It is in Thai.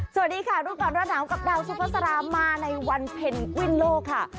สวัสดีค่ะทุกคนวันหนาวกับดาวซุฟาสารามาในวันเพ็นกวิ้นโลกค่ะ